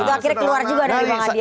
itu akhirnya keluar juga dari bang adian